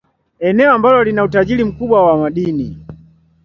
Eneo ambalo lina utajiri mkubwa wa madini.